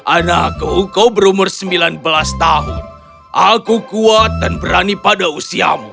anakku kau berumur sembilan belas tahun aku kuat dan berani pada usiamu